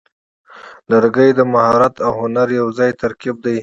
لرګی د مهارت او هنر یوځای ترکیب دی.